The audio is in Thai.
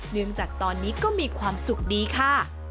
เนื่องจากตอนนี้ก็มีความสุขดีค่ะ